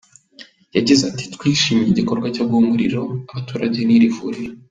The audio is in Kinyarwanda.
Yagize ati “Twishimye igikorwa cyo guha umuriro abaturage n’iri vuriro.